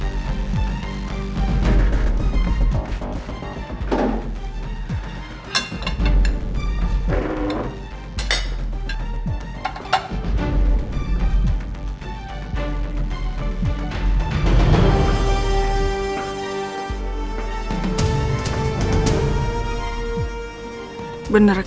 jangan begitu lagi